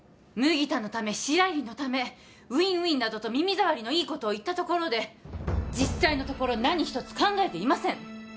麦田のため白百合のためウィンウィンなどと耳障りのいいことを言ったところで実際のところ何一つ考えていません